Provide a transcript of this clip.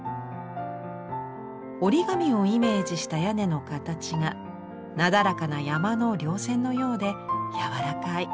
折り紙をイメージした屋根の形がなだらかな山の稜線のようでやわらかい。